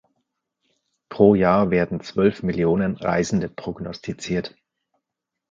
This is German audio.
Pro Jahr werden zwölf Millionen Reisende prognostiziert.